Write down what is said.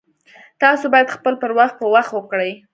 تاسو باید خپل پر وخت په وخت وکړئ